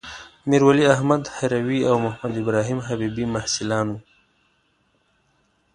میرولی احمد هروي او محمدابراهیم حبيبي محصلان وو.